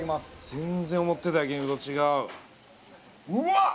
全然思ってた焼肉と違ううわっ！